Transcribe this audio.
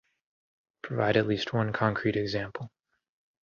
Provide at least one concrete example.